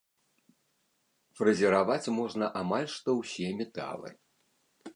Фрэзераваць можна амаль што ўсе металы.